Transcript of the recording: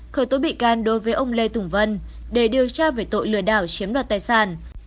khởi tố bị can đối với ông lê tùng vân để điều tra về tội lừa đảo chiếm đoạt tài sản